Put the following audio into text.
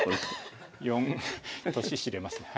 年知れますね。